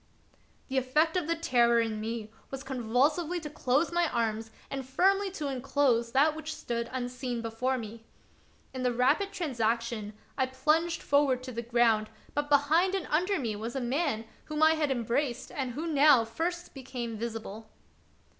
The effect of the terror in me was convulsively to close my arms and firmly to enclose that which stood unseen before me. In the rapid transaction I plunged forward to the ground, but behind and under me was a man whom I had embraced and who now first became visible.